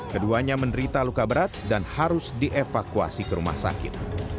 keduanya menderita luka berat dan harus dievakuasi ke rumah sakit